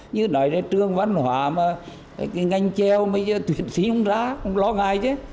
như nói ra trường văn hóa mà cái ngành treo tuyển sĩ không ra không lo ngại chứ